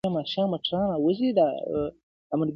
o د ژوند معنا ګډوډه کيږي تل,